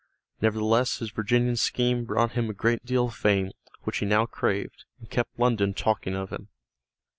Nevertheless his Virginian scheme brought him a great deal of fame, which he now craved, and kept London talking of him.